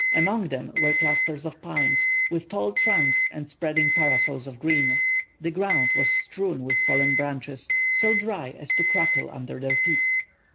Among them were clusters of pines, with tall trunks and spreading parasols of green. The ground was strewn with fallen branches, so dry as to crackle under their feet.